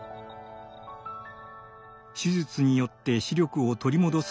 手術によって視力を取り戻すことに賭けました。